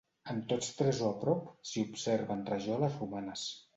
En tots tres o a prop s'hi observen rajoles romanes.